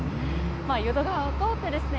淀川を通ってですね